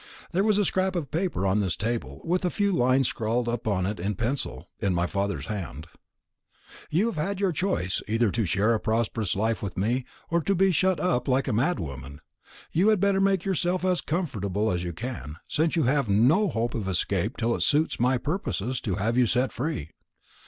There was a scrap of paper on this table, with a few lines scrawled upon it in pencil, in my father's hand: 'You have had your choice, either to share a prosperous life with me, or to be shut up like a mad woman. You had better make yourself as comfortable as you can, since you have no hope of escape till it suits my purpose to have you set free.